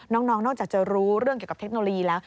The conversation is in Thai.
น้องนอกจากจะรู้เรื่องเกี่ยวกับเทคโนโลยีแล้ว